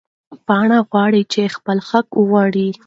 پاڼه غواړې چې خپل حق وغواړي.